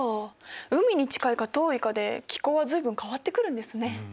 海に近いか遠いかで気候は随分変わってくるんですね。